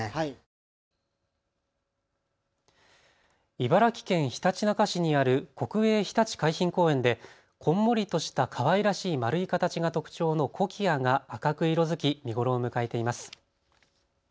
茨城県ひたちなか市にある国営ひたち海浜公園でこんもりとしたかわいらしい丸い形が特徴のコキアが赤く色づき見頃を迎えています。